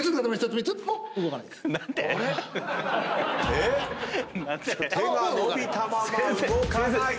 えっ⁉手が伸びたまま動かない。